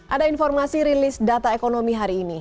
ada informasi rilis data ekonomi hari ini